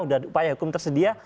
udah upaya hukum tersedia